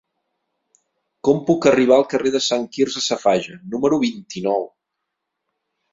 Com puc arribar al carrer de Sant Quirze Safaja número vint-i-nou?